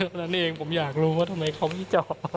เท่านั้นเองผมอยากรู้ว่าทำไมเขาไม่จอด